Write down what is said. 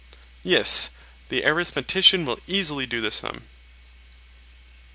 Yes; the arithmetician will easily do the sum.